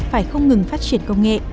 phải không ngừng phát triển công nghệ